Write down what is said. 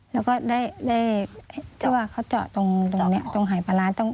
แล้วก็ได้เจ้าว่าเขาเจาะตรงนี้ตรงหายปลาร้า